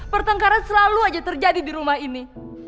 pertengkaran selalu aja terjadi di rumah ini